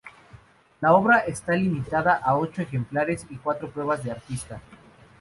La obra está limitada a ocho ejemplares y cuatro pruebas de artista.